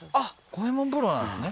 五右衛門風呂なんですね